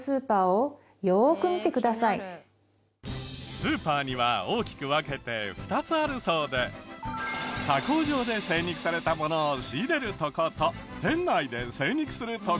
スーパーには大きく分けて２つあるそうで加工場で精肉されたものを仕入れる所と店内で精肉する所。